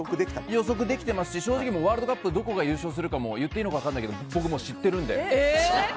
予測できてますし正直、ワールドカップどこが優勝するかも言っていいのか分からないけど僕、知っているんで。